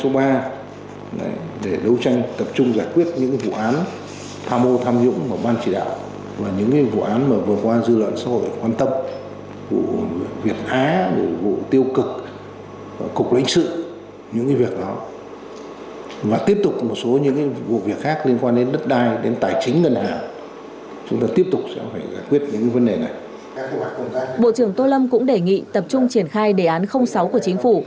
bộ trưởng tô lâm cũng đề nghị tập trung triển khai đề án sáu của chính phủ